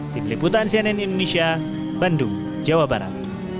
di peliputan cnn indonesia bandung jawa barat